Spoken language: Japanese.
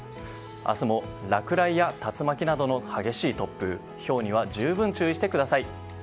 明日も落雷や竜巻などの激しい突風ひょうにも十分注意してください。